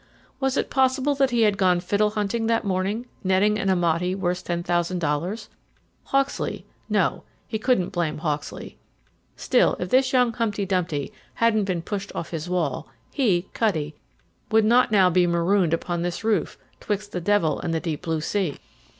Was it possible that he had gone fiddle hunting that morning, netting an Amati worth ten thousand dollars? Hawksley no, he couldn't blame Hawksley. Still, if this young Humpty Dumpty hadn't been pushed off his wall he, Cutty, would not now be marooned upon this roof 'twixt the devil and the deep blue sea.